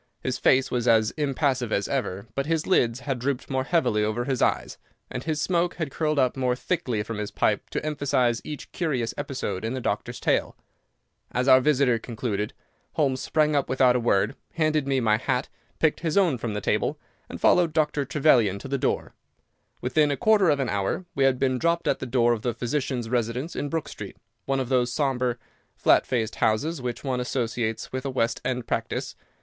His face was as impassive as ever, but his lids had drooped more heavily over his eyes, and his smoke had curled up more thickly from his pipe to emphasize each curious episode in the doctor's tale. As our visitor concluded, Holmes sprang up without a word, handed me my hat, picked his own from the table, and followed Dr. Trevelyan to the door. Within a quarter of an hour we had been dropped at the door of the physician's residence in Brook Street, one of those sombre, flat faced houses which one associates with a West End practice.